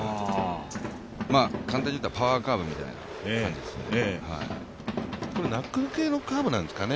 簡単に言うたらパワーカーブみたいな感じですかね。